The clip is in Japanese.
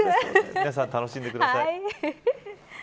皆さん、楽しんでください。